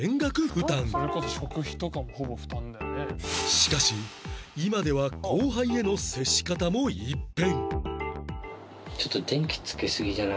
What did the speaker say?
しかし今では後輩への接し方も一変